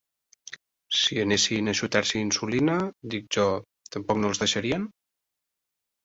Si anessin a xutar-s'hi insulina, dic jo, tampoc no els deixarien?